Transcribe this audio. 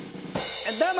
どうも！